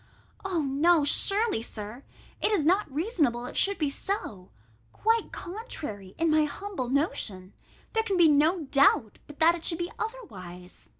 No, surely, Sir, it is not reasonable it should be so: quite contrary, in my humble notion, there can be no doubt, but that it should be otherwise.